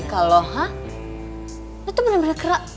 kalau lo tuh bener bener kira